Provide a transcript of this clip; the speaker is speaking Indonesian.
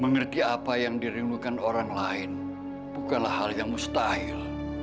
mengerti apa yang dirindukan orang lain bukanlah hal yang mustahil